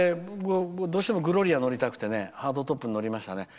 どうしてもグロリア乗りたくてハードトップ乗りました。